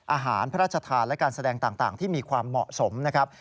พระราชทานและการแสดงต่างที่มีความเหมาะสมนะครับ